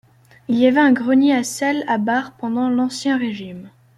Il y avait un grenier à sel à Bar pendant l'Ancien Régime.